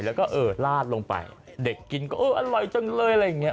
แล้วก็เออลาดลงไปเด็กกินก็เอออร่อยจังเลยอะไรอย่างนี้